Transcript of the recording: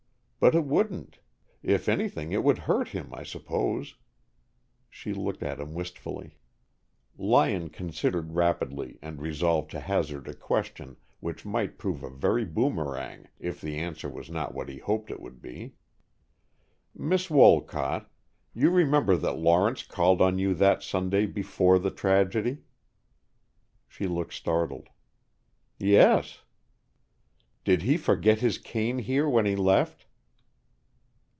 But it wouldn't. If anything, it would hurt him, I suppose." She looked at him wistfully. Lyon considered rapidly and resolved to hazard a question which might prove a very boomerang if the answer was not what he hoped it would be. "Miss Wolcott, you remember that Lawrence called on you that Sunday before the tragedy?" She looked startled. "Yes." "Did he forget his cane here when he left?"